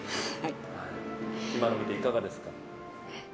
今のを見て、いかがですか？